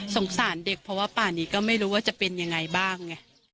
สารเด็กเพราะว่าป่านี้ก็ไม่รู้ว่าจะเป็นยังไงบ้างไง